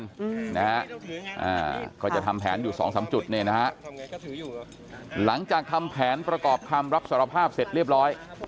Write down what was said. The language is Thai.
เขาจะทำแผนอยู่๒๓จุดหลังจากทำแผนประกอบคำรับสรภาพเสร็จเรียบร้อย